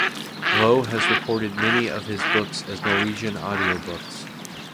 Loe has recorded many of his books as Norwegian audiobooks.